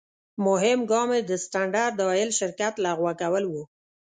مهم ګام یې د سټنډرد آیل شرکت لغوه کول و.